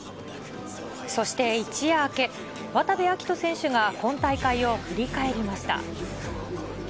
そして一夜明け、渡部暁斗選手が今大会を振り返りました。